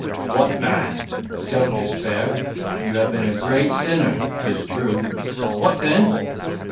What, man! don't despair, you have been a great sinner, 'tis true,—what then?